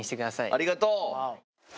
ありがとう！